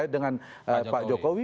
dengan pak jokowi